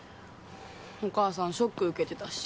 お母さんショック受けてたし。